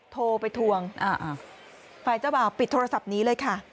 โทรไปทวงฝ่ายเจ้าบ่าวปิดโทรศัพท์นี้เลยค่ะ